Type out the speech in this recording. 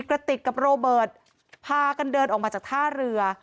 กระติกกับโรเบิร์ตพากันเดินออกมาจากท่าเรือ